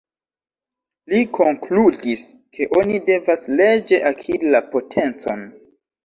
Li konkludis, ke oni devas leĝe akiri la potencon.